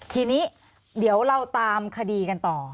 ทีนี้เดี๋ยวเราตามคดีกันต่อ